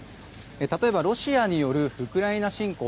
例えば、ロシアによるウクライナ侵攻。